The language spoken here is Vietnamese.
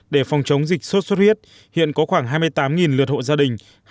để phòng chống dịch sốt xuất huyết hiện có khoảng hai mươi tám lượt hộ gia đình